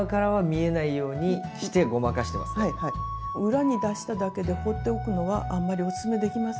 裏に出しただけで放っておくのはあんまりおすすめできません。